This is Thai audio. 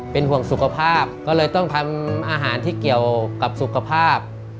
เป็นห่วงสุขภาพก็เลยต้องทำอาหารที่เกี่ยวกับสุขภาพ